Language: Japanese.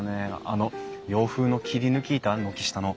あの洋風の切り抜き板軒下の。